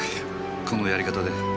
このやり方で。